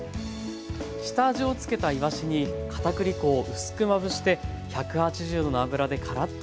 下味をつけたいわしにかたくり粉を薄くまぶして１８０℃の油でカラッと揚げます。